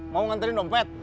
mau nganterin dompet